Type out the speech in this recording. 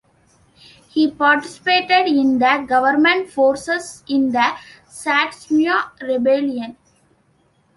He participated in the government forces in the Satsuma Rebellion.